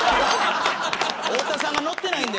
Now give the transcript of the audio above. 太田さんがのってないので。